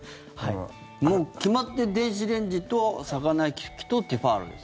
もう決まって電子レンジと魚焼き器とティファールです。